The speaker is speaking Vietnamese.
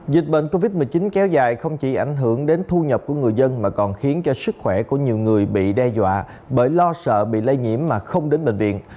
dịch bệnh covid một mươi chín kéo dài không chỉ ảnh hưởng đến thu nhập của người dân mà còn khiến cho sức khỏe của nhiều người bị đe dọa bởi lo sợ bị lây nhiễm mà không đến bệnh viện